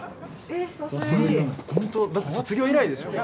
ほんとだって卒業以来でしょ？